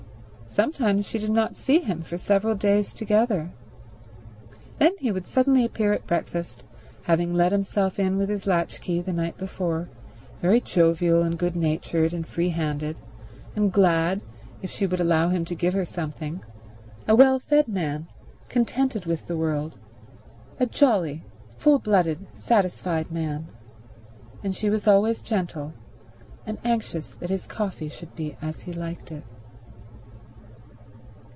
Sometimes she did not see him for several days together. Then he would suddenly appear at breakfast, having let himself in with his latchkey the night before, very jovial and good natured and free handed and glad if she would allow him to give her something—a well fed man, contented with the world; a jolly, full blooded, satisfied man. And she was always gentle, and anxious that his coffee should be as he liked it.